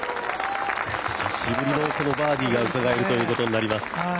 久しぶりのバーディーがうかがえるということになります。